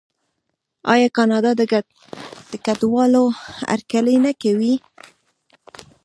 آیا کاناډا د کډوالو هرکلی نه کوي؟